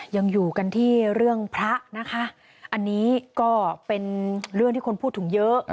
ยังอยู่กันที่เรื่องพระนะคะอันนี้ก็เป็นเรื่องที่คนพูดถึงเยอะ